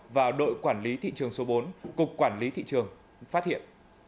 và đội quản lý thị trường số bốn cục quản lý thị trường phát hiện